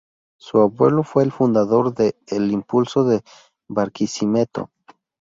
Su abuelo fue el fundador de "El Impulso de Barquisimeto".